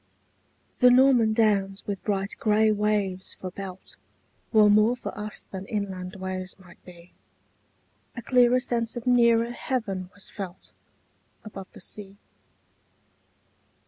The Norman downs with bright grey waves for belt Were more for us than inland ways might be; A clearer sense of nearer heaven was felt Above the sea.